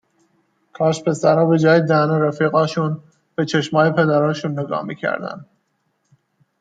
کاش پسرا به جای دهن رفیقاشون به چشمای پدراشون نگاه میکردن!